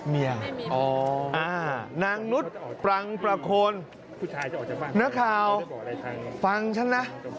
เมียนางนุษย์ปรังประโคนนักข่าวฟังฉันนะ